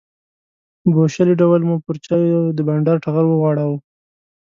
بوشلې ډول مو پر چایو د بانډار ټغر وغوړاوه.